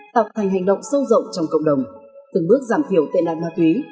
tạo thành hành động sâu rộng trong cộng đồng từng bước giảm thiểu tệ nạn ma túy